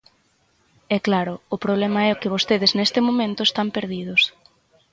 E, claro, o problema é que vostedes neste momento están perdidos.